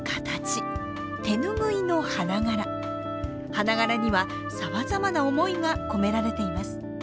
花柄にはさまざまな思いが込められています。